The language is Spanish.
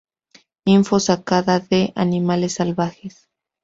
Info sacada de: Animales salvajes